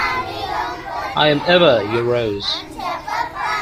I am ever your rose.